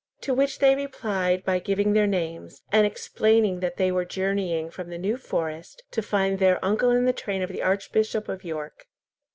To which they replied by giving their names, and explaining that they were journeying from the New Forest to find their uncle in the train of the Archbishop of York.